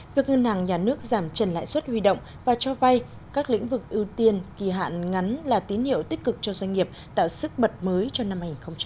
việc ngân hàng nhà nước giảm trần lãi suất huy động và cho vay các lĩnh vực ưu tiên kỳ hạn ngắn là tín hiệu tích cực cho doanh nghiệp tạo sức mật mới cho năm hai nghìn hai mươi